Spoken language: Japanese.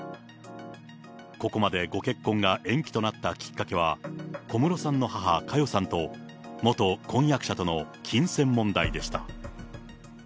ここまでご結婚が延期となったきっかけは、小室さんの母、佳代さんと、元婚約者との金銭問題でした。